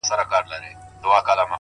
د هغه ږغ زما د ساه خاوند دی،